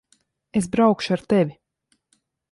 Es braukšu ar tevi.